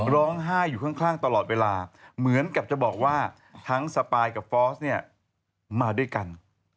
ร้องไห้อยู่ข้างตลอดเวลาเหมือนกับจะบอกว่าทั้งสปายกับฟอสเนี่ยมาด้วยกัน